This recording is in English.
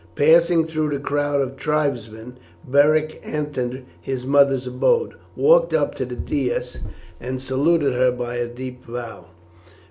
Passing through the crowd of tribesmen, Beric entered his mother's abode, walked up to the dais, and saluted her by a deep bow.